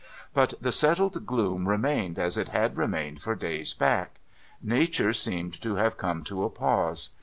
But the settled gloom remained as it had remained for days back. Nature seemed 548 NO THOROUGHFARE to have come to a pause.